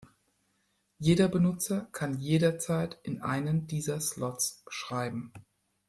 Jeder Benutzer kann jederzeit in einen dieser Slots schreiben.